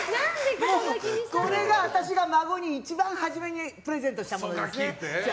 私が孫に一番初めにプレゼントしたものだよ。